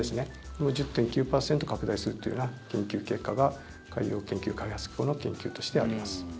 これも１０．９％拡大するというような研究結果が海洋研究開発機構の研究としてあります。